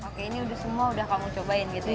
oke ini udah semua udah kamu cobain gitu ya